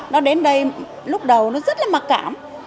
nó đến đây lúc đầu nó rất là mặc cảm